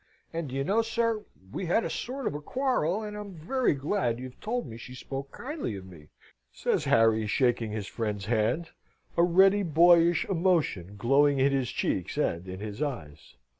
And, do you know, sir, we had a sort of a quarrel, and I'm very glad you've told me she spoke kindly of me," says Harry, shaking his friend's hand, a ready boyish emotion glowing in his cheeks and in his eyes.